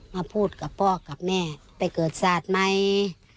มาพูดกับพ่อกับแม่ไปเกิดศาสตร์ไหม